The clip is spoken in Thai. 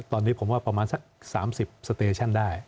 ตอนนี้ผมว่าประมาณสัก๓๐สเตชั่นได้